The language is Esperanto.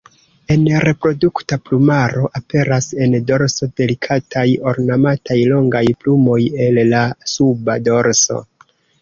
En reprodukta plumaro, aperas en dorso delikataj ornamaj longaj plumoj el la suba dorso.